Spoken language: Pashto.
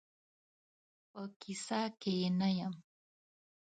په کیسه کې یې نه یم.